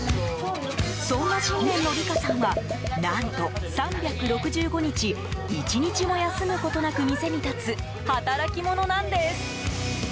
そんな信念の理佳さんは何と３６５日１日も休むことなく店に立つ働き者なんです。